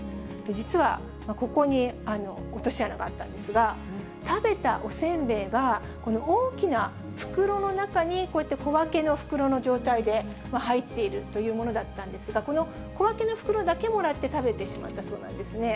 実は、ここに落とし穴があったんですが、食べたおせんべいが、この大きな袋の中に、こういった小分けの袋の状態で入っているというものだったんですが、この小分けの袋だけもらって食べてしまったそうなんですね。